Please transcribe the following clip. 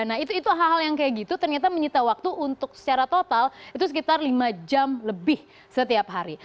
nah itu hal hal yang kayak gitu ternyata menyita waktu untuk secara total itu sekitar lima jam lebih setiap hari